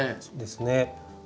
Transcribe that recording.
そうですね。